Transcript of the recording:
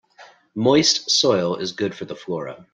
Moist soil is good for the flora.